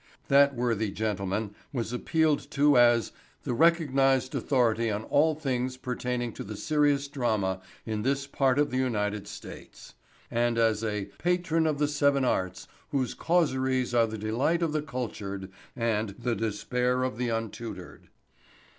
That worthy gentleman was appealed to as "the recognized authority on all things pertaining to the serious drama in this part of the United States" and as a "patron of the seven arts whose causeries are the delight of the cultured and the despair of the untutored."